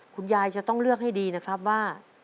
คุณยายจะต้องเลือกให้ดีนะครับว่า